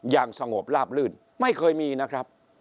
อย่างสงบลาบลื่นไม่เคยมีนะครับ